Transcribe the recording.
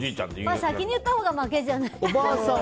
先に言ったほうが負けじゃない？